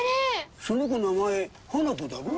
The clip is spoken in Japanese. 「その子名前ハナコだろ？」